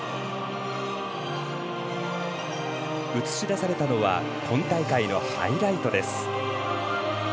映し出されたのは今大会のハイライト。